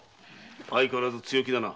相変わらず強気だな。